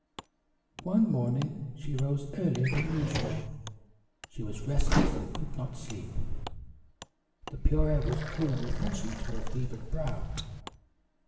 One morning, she rose earlier than usual. She was restless and could not sleep. The pure air was cool and refreshing to her fevered brow.